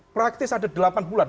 praktis ada delapan bulan